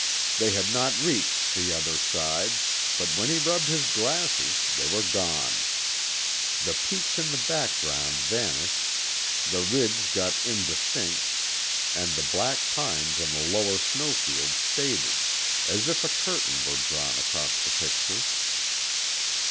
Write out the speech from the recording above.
They had not reached the other side, but when he rubbed his glasses they were gone. The peaks in the background vanished, the ridge got indistinct, and the black pines on the lower snow fields faded, as if a curtain were drawn across the picture.